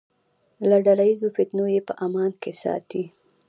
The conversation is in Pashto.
له ډله ییزو فتنو یې په امان کې ساتي.